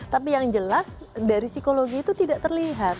tapi yang jelas dari psikologi itu tidak terlihat